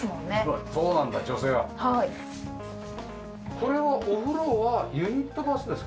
これはお風呂はユニットバスですか？